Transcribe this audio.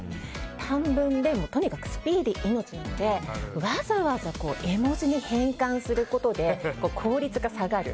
短文でとにかくスピーディー命なのでわざわざ絵文字に変換することで、効率が下がる。